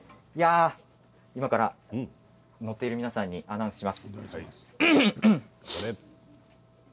今から乗っている皆さんにアナウンスします。